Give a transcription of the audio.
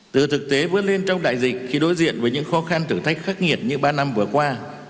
từ thực tế vướt lên trong đại dịch khi đối diện với những khó khăn thử thách khắc nghiệt như ba năm vừa qua